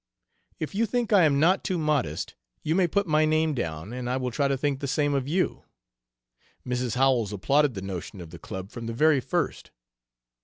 If you think I am not too modest you may put my name down and I will try to think the same of you. Mrs. Howells applauded the notion of the club from the very first.